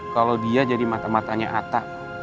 kalau dia jadi mata matanya ata